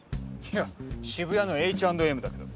いや渋谷のＨ＆Ｍだけど。